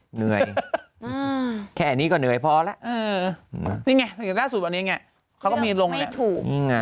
เหนื่อยแค่นี้ก็เหนื่อยพอแล้วนี่ไงสัญลักษณ์สุดวันนี้ไงเขาก็มีลง